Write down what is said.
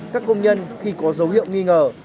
các công nhân khi có dấu hiệu nghi ngờ